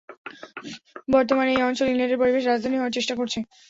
বর্তমানে এই অঞ্চল ইংল্যান্ডের পরিবেশ রাজধানী হওয়ার চেষ্টা করছে।